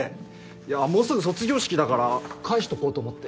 いやもうすぐ卒業式だから返しておこうと思って。